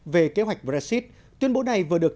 về kế hoạch brexit tuyên bố này vừa được